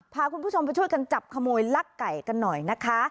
พาคุณผู้ชมไปช่วยกันจับขโมยลักไก่กันหน่อยนะคะ